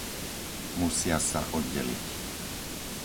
Musia sa oddeliť.